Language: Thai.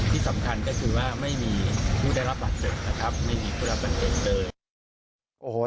ที่สำคัญก็คือว่าไม่มีผู้ได้รับบัตรเสร็จนะครับไม่มีผู้ได้รับบัตรเสร็จเดิน